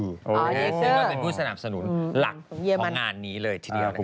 ซึ่งก็เป็นผู้สนับสนุนหลักของงานนี้เลยทีเดียวนะคะ